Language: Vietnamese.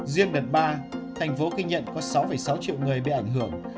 riêng đợt ba tp hcm ghi nhận có sáu sáu triệu người bị ảnh hưởng